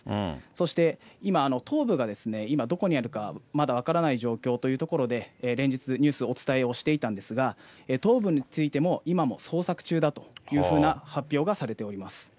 そして今、頭部が今、どこにあるか、まだ分からない状況というところで、連日、ニュースをお伝えをしていたんですが、頭部についても、今も捜索中だというふうな発表がされております。